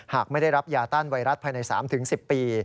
หากไม่ได้รับยาต้านไวรัสภายใน๓๑๐ปี